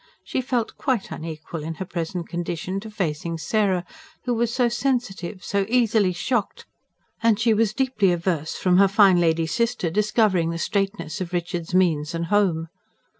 She felt quite unequal, in her present condition, to facing Sarah, who was so sensitive, so easily shocked; and she was deeply averse from her fine lady sister discovering the straitness of Richard's means and home.